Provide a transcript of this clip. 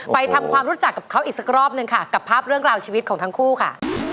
ไปทำความรู้จักกับเขาอีกสักรอบหนึ่งค่ะกับภาพเรื่องราวชีวิตของทั้งคู่ค่ะ